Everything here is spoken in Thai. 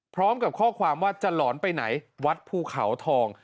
พร้อมกับข้อความว่าจะหลอนไปไหนวัดภูเขาทอง